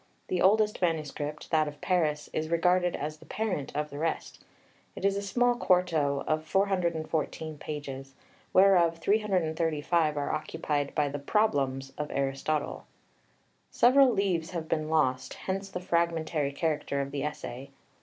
The oldest manuscript, that of Paris, is regarded as the parent of the rest. It is a small quarto of 414 pages, whereof 335 are occupied by the "Problems" of Aristotle. Several leaves have been lost, hence the fragmentary character of the essay.